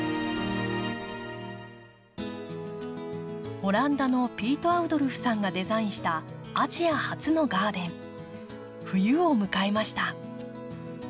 オランダのピート・アウドルフさんがデザインしたアジア初のガーデン冬を迎えました。